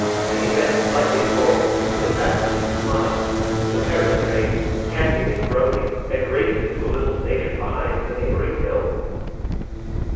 and he bent slightly forward with a fascinating smile. The Paris train, panting and groaning, had grated into a little station behind the neighbouring hill.